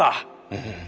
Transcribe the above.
うん。